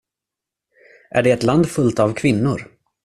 Är det ett land fullt av kvinnor?